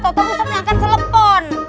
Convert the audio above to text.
otak otak bisa menyangka telepon